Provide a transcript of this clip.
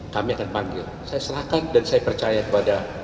saya silakan dan saya percaya kepada